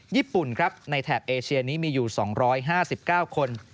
ญี่ปุ่นครับในแถบเอเชียนี้มีอยู่๒๕๙คน